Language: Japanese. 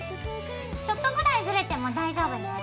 ちょっとぐらいずれても大丈夫だよ。